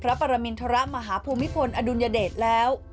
ปรมินทรมาฮภูมิพลอดุลยเดชแล้ว